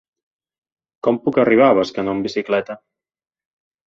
Com puc arribar a Bescanó amb bicicleta?